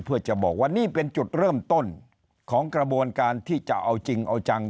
เพื่อจะบอกว่านี่เป็นจุดเริ่มต้นของกระบวนการที่จะเอาจริงเอาจัง